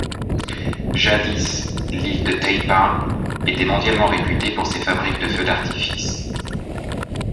Jadis, l'île de Taipa était mondialement réputée pour ses fabriques de feux d'artifice.